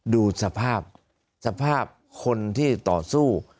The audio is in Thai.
ดูสภาพสภาพคนที่ต่อสู้